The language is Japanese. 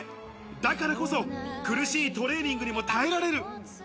だからこそ、苦しいトレーニングにも耐えられる。